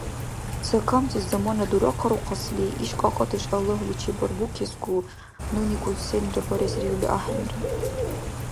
Ца камси замана дуракарухъасли иш кьакьадеш Аллагьли чебарбукесгу, нуникун селра барес рирули ахӀенра